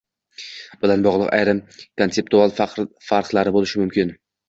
bilan bog‘liq ayrim konseptual farqlari bo‘lishi mumkin.